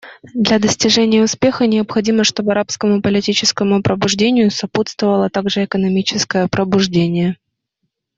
Для достижения успеха необходимо, чтобы арабскому политическому пробуждению сопутствовало также экономическое пробуждение.